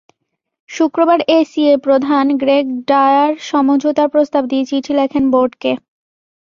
শুক্রবার এসিএ প্রধান Greg Dyer সমঝোতার প্রস্তাব দিয়ে চিঠি লেখেন বোর্ডকে।